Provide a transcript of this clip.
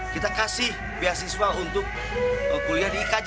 kita kasih beasiswa untuk kuliah di ikj